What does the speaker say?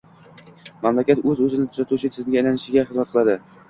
mamlakat o‘z-o‘zini tuzatuvchi tizimga aylanishiga hizmat qiladi